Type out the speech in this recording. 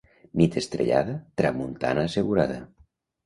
Nit estrellada, tramuntana assegurada.